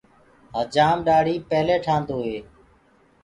هجآم ڏآڙهي ڀلي ٺآندو هي۔